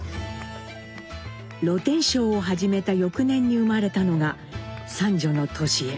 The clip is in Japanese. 露天商を始めた翌年に生まれたのが三女の智江。